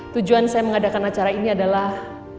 tujuan saya mengadakan acara ini adalah